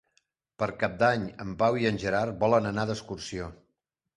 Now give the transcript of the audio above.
Per Cap d'Any en Pau i en Gerard volen anar d'excursió.